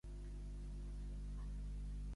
William V. Pratt va néixer a Belfast, Maine.